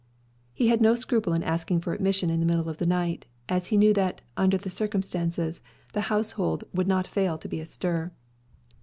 He had no scruple in asking for admission in the middle of the night, as he knew that, under the circumstances, the household would not fail to be astir.